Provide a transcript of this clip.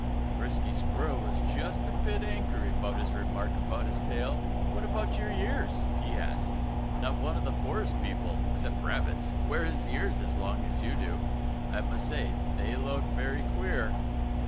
Frisky Squirrel was just a bit angry at this remark about his tail. "What about your ears?" he asked. "Not one of the forest people except rabbits wears his ears so long as you do. I must say that they look very queer.